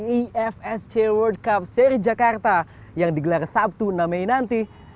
ifsc world cup seri jakarta yang digelar sabtu enam mei nanti